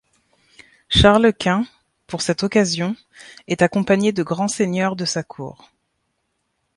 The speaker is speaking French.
Charles-Quint, pour cette occasion, est accompagné de grands seigneurs de sa cour.